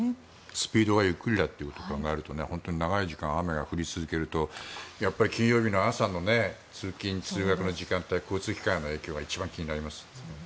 スピードがゆっくりだということを考えると長い時間雨が降り続けるとやはり金曜日の朝の通勤・通学の時間帯交通機関への影響が一番気になります。